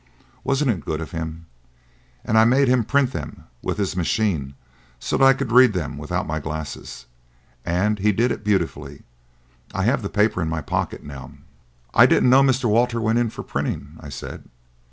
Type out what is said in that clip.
Wasn't it good of him! And I made him print them with his machine so that I could read them without my glasses, and he did it beautifully. I have the paper in my pocket now." "I didn't know Mr. Walter went in for printing," I said.